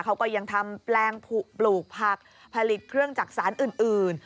เขาก็ยังทำแปลงปลูกผักผลิตเครื่องจักษานอื่น